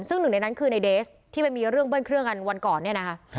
ซึ่งหนึ่งในนั้นคือในเดสที่ไปมีเรื่องเบิ้ลเครื่องกันวันก่อนเนี่ยนะคะ